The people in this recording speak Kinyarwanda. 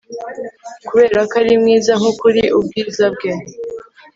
Kuberako ari mwiza nkukuri ubwiza bwe